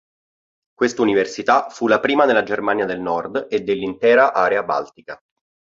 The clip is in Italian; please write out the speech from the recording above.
Quest'università fu la prima nella Germania del nord e dell'intera area baltica.